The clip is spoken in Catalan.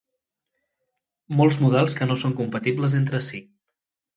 Molts models que no són compatibles entre si.